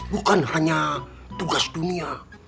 bukan hanya tugas dunia